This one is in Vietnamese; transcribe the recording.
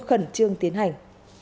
khẩn trương tiến hành